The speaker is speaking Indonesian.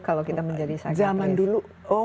kalau kita menjadi zaman dulu